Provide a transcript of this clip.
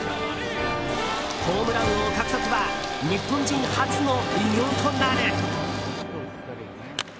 ホームラン王獲得は日本人初の偉業となる。